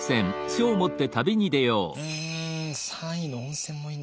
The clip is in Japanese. うん３位の温泉もいいんですけどね